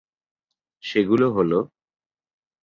সেগুলো হল